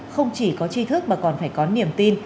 không chỉ có chi thức mà còn phải có niềm tin